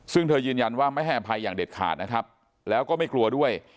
ซึ่งเธอยืนยันว่าไม่ให้อภัยอย่างเด็ดขาดนะครับแล้วก็ไม่กลัวด้วย